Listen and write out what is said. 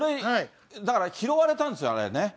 だから拾われたんですよね、あれね。